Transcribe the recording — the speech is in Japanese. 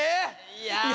いや。